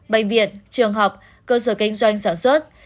bệnh viện trường học cơ sở kinh doanh sản xuất